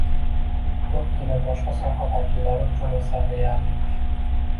Ko‘pgina boshqa soha vakillari uchun esa reallik